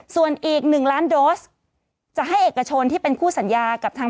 ส่วนอีก๑ล้านโดสจะให้เอกชนที่เป็นคู่สัญญากับทาง